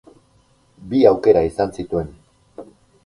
Bi aukera izan zituen.